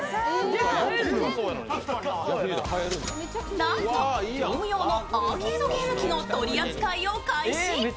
なんと、業務用のアーケードゲーム機の取り扱いを開始。